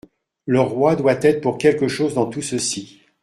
Le roi doit être pour quelque chose dans tout ceci.